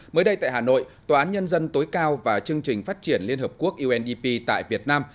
mới đây tại hà nội tòa án nhân dân tối cao và chương trình phát triển liên hợp quốc undp tại việt nam